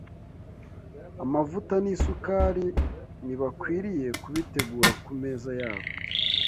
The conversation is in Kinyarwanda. amavuta, n’isukari, ntibakwiriye kubitegura ku meza yabo